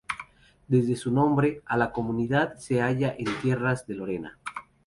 Debe su nombre a la comunidad se haya en tierras de Lorena.